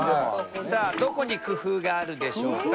さあどこに工夫があるでしょうか？